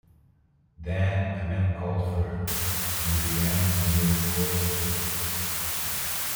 Then a man called for her, and began to make coarse jokes.